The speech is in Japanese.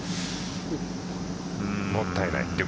もったいない。